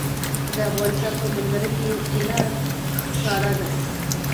د افغانستان په منظره کې طلا ښکاره ده.